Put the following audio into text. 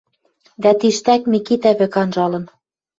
Дӓ тиштӓк Микитӓ вӹк анжалын